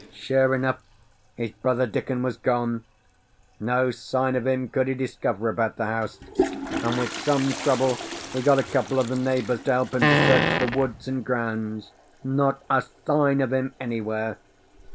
"Sure enough his brother Dickon was gone. No sign of him could he discover about the house; and with some trouble he got a couple of the neighbours to help him to search the woods and grounds. Not a sign of him anywhere.